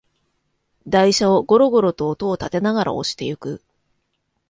台車をゴロゴロと音をたてながら押していく